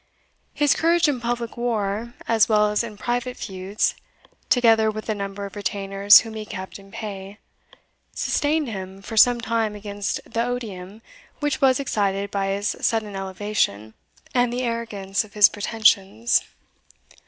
His courage in public war, as well as in private feuds, together with the number of retainers whom he kept in pay, sustained him for some time against the odium which was excited by his sudden elevation, and the arrogance of his pretensions.